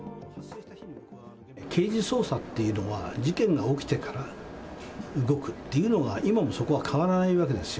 刑事捜査っていうのは、事件が起きてから動くっていうのが、今もそこは変わらないわけですよ。